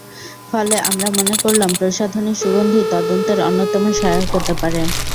ফলে আমরা মনে করলাম প্রসাধনীর সুগন্ধি তদন্তের অন্যতম সহায়ক হতে পারে।